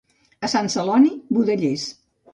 A Sant Celoni, budellers.